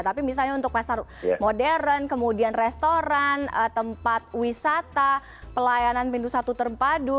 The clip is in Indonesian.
tapi misalnya untuk pasar modern kemudian restoran tempat wisata pelayanan pintu satu terpadu